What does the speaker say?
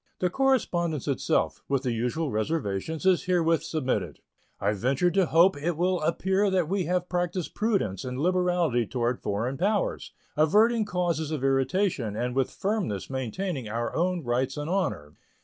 The correspondence itself, with the usual reservations, is herewith submitted. I venture to hope it will appear that we have practiced prudence and liberality toward foreign powers, averting causes of irritation and with firmness maintaining our own rights and honor.